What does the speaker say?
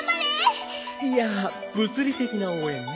いや物理的な応援ね。